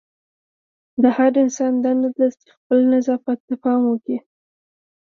د هر انسان دنده ده چې خپل نظافت ته پام وکړي.